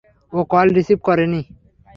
ও call receive করেনি।